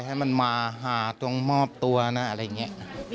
ให้มันมาหาตรงมอบตัวนะอะไรอย่างนี้